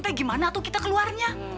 eh gimana tuh kita keluarnya